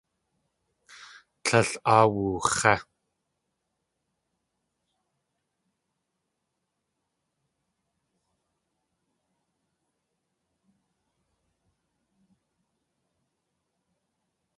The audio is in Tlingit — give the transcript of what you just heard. Tlél áa wux̲é.